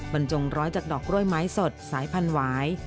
บรรจงร้อยจากดอกกล้วยไม้สดสายพันธวาย